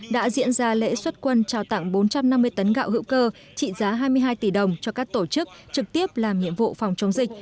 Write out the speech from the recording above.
đã diễn ra lễ xuất quân trao tặng bốn trăm năm mươi tấn gạo hữu cơ trị giá hai mươi hai tỷ đồng cho các tổ chức trực tiếp làm nhiệm vụ phòng chống dịch